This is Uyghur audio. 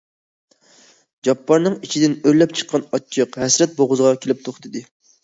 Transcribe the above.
جاپپارنىڭ ئىچىدىن ئۆرلەپ چىققان ئاچچىق ھەسرەت بوغۇزىغا كېلىپ توختىدى.